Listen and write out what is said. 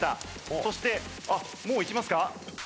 そしてあっもういきますか？